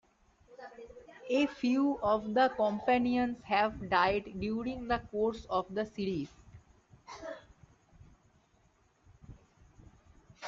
A few of the companions have died during the course of the series.